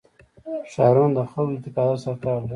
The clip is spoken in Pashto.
ښارونه د خلکو له اعتقاداتو سره تړاو لري.